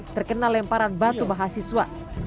terkena lemparan batu mahasiswa